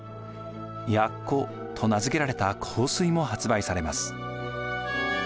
「ヤッコ」と名付けられた香水も発売されます。